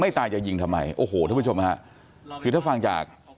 ไม่ตายจะยิงทำไมโอโหท่านผู้ชม